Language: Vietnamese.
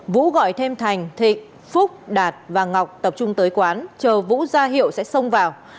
vũ gọi thêm thành thị phúc đạt và ngọc tập trung tới quán chờ vũ gia hiệu sẽ xông vào